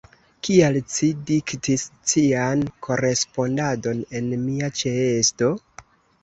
Kial ci diktis cian korespondadon en mia ĉeesto?